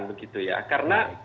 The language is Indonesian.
begitu ya karena